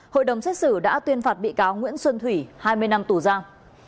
hội đồng xét xử đã tuyên phạt bị cáo nguyễn xuân thủy hai mươi năm tù giam